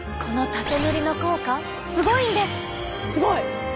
すごい！